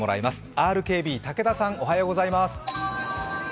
ＲＫＢ・武田さん、おはようございます。